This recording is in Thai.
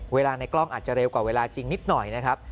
ในกล้องอาจจะเร็วกว่าเวลาจริงนิดหน่อยนะครับ